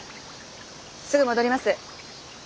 すぐ戻ります。